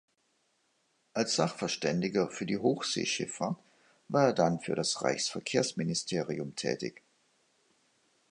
Als Sachverständiger für die Hochseeschifffahrt war er dann für das Reichsverkehrsministerium tätig.